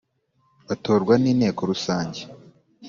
Batorwa n inteko rusange